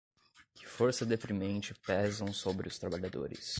que força deprimente pesam sobre os trabalhadores